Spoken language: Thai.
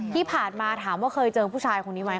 ที่ผ่านมาถามว่าเคยเจอผู้ชายคนนี้ไหม